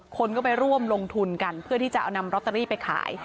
คนก็ไปร่วมลงทุนกันเพื่อที่จะเอานำลอตเตอรี่ไปขาย